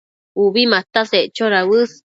Ubi mataseccho dauës